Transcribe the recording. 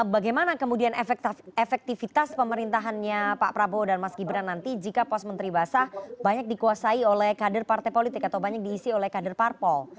bagaimana kemudian efektivitas pemerintahannya pak prabowo dan mas gibran nanti jika pos menteri basah banyak dikuasai oleh kader partai politik atau banyak diisi oleh kader parpol